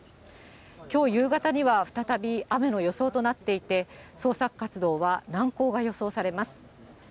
きょう夕方には再び雨の予想となっていて、捜索活動は難航が予想されます。